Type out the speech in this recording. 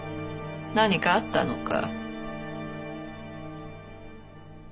何かあったのか？